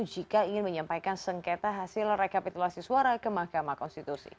jika ingin menyampaikan sengketa hasil rekapitulasi suara ke mahkamah konstitusi